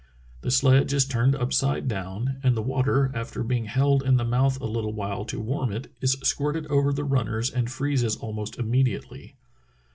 The sledge is turned upside down, and the water, after being held in the mouth a little while to warm it, is squirted over the runners and freezes al most immediately.